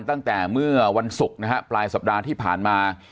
ตั้งแต่เมื่อวันศุกร์นะฮะปลายสัปดาห์ที่ผ่านมา